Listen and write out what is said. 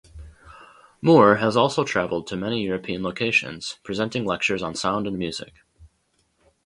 Moore has also travelled to many European locations, presenting lectures on sound and music.